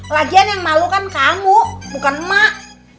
lagian yang malu kan kamu bukan emak